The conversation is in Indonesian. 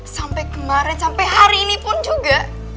sampai kemarin sampai hari ini pun juga